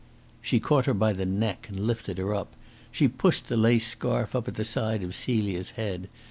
She caught her by the neck and lifted her up. She pushed the lace scarf up at the side of Celia's head.